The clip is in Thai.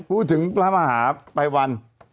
พูดถึงราบอาหารไปวัน